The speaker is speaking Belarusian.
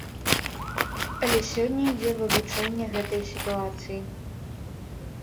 Але сёння ідзе вывучэнне гэтай сітуацыі.